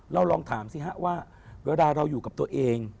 ลองถามสิฮะว่าเวลาเราอยู่กับตัวเอง